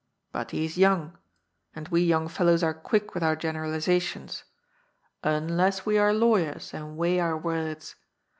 But he is young. And we young fellows are quick with our generali Bations. Unless we are lawyers and weigh our words.